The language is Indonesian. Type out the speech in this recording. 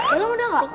belum udah nggak